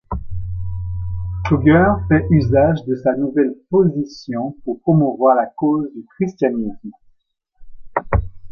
Kögler fait usage de sa nouvelle position pour promouvoir la cause du christianisme.